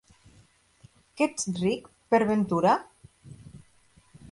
Que ets ric, per ventura?